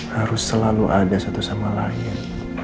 harus selalu ada satu sama lain